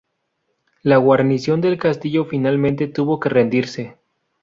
La guarnición del castillo finalmente tuvo que rendirse.